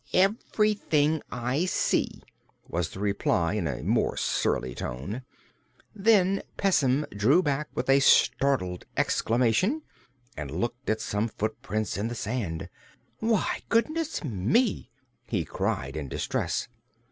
"Everything I see," was the reply, in a more surly tone. Then Pessim drew back with a startled exclamation and looked at some footprints in the sand. "Why, good gracious me!" he cried in distress.